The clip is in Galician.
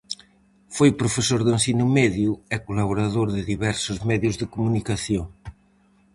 Foi profesor de ensino medio e colaborador de diversos medios de comunicación.